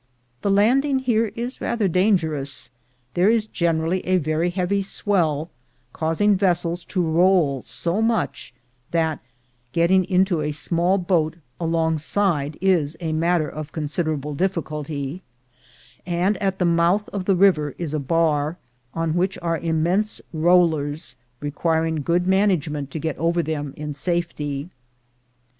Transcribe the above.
The landing here is rather dangerous. There is generally a very heavy swell, causing vessels to roll so much that getting into a small boat alongside is a matter of considerable difficulty; and at the mouth of the river is a bar, on which are immense rollers, requiring good management to get over them in safety.